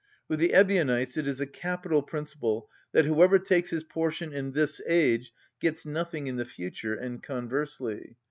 With the Ebionites it is a capital principle that whoever takes his portion in this age gets nothing in the future, and conversely.